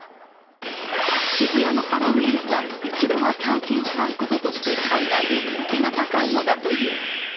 渋谷のハロウィーンは、一度は体験したいこととして、海外で人気が高いのだという。